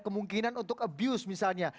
kemungkinan untuk abuse misalnya